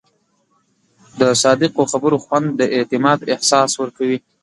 د صادقو خبرو خوند د اعتماد احساس ورکوي.